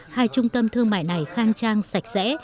hai trung tâm thương mại này khang trang sạch sẽ